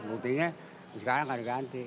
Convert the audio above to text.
berhubungnya sekarang nggak diganti